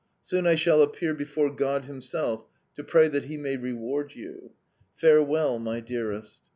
Soon I shall appear before God Himself to pray that He may reward you. Farewell, my dearest!